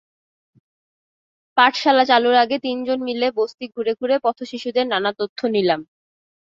পাঠশালা চালুর আগে তিনজন মিলে বস্তি ঘুরে ঘুরে পথশিশুদের নানা তথ্য নিলাম।